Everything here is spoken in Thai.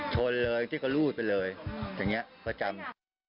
ชนเลยที่เขารูดไปเลยอย่างนี้ประจำ